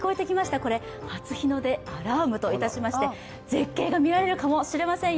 これは初日の出アラームとして絶景が見られるかもしれませんよ。